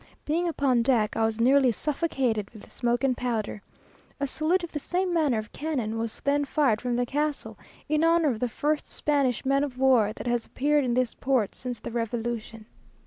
Being upon deck, I was nearly suffocated with smoke and powder. A salute of the same number of cannon was then fired from the castle, in honour of the first Spanish man of war that has appeared in this port since the Revolution.